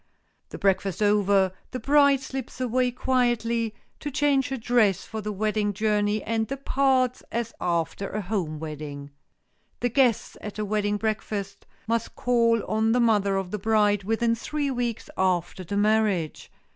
The breakfast over, the bride slips away quietly, to change her dress for the wedding journey, and departs as after a home wedding. The guests at a wedding breakfast must call on the mother of the bride within three weeks after the marriage.